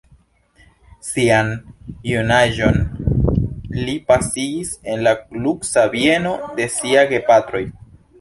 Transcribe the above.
Sian junaĝon li pasigis en la luksa bieno de siaj gepatroj.